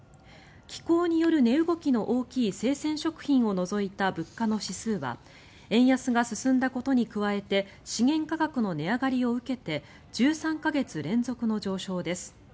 気候による値動きの大きい生鮮食品を除いた物価の指数は円安が進んだことに加えて資源価格の値上がりを受けて１３か月連続の上昇です。